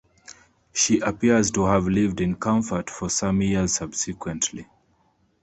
She appears to have lived in comfort for some years subsequently.